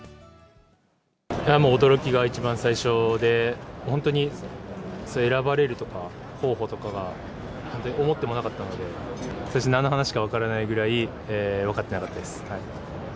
もう驚きが一番最初で、本当に選ばれるとか、候補とか、本当に思ってもなかったので、最初なんの話か分からないぐらい、分かってなかったです。